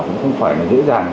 cũng không phải là dễ dàng